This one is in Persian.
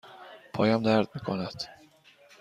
پایم درد می کند.